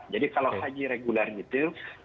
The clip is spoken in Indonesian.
jadi kalau haji reguler itu dua ratus tiga